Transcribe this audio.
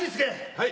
はい。